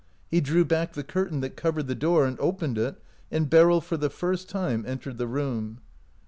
He drew back the curtain that covered the door, and opened it, and Beryl for the first j^me en tered the room.